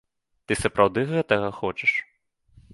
Ты сапраўды гэтага хочаш?